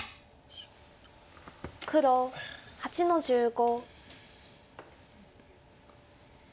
黒８の十五。